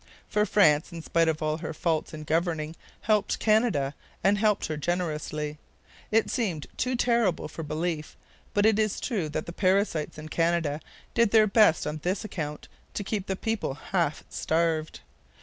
For France, in spite of all her faults in governing, helped Canada, and helped her generously. It seems too terrible for belief, but it is true that the parasites in Canada did their best on this account to keep the people half starved.